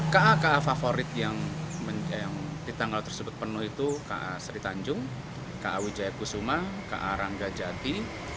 ka ka favorit yang ditanggal tersebut penuh itu ka seritanjung ka wijaya kusuma ka ranggajati